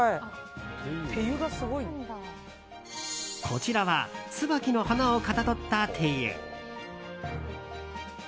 こちらはツバキの花をかたどった手湯。